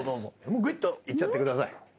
グイッといっちゃってください。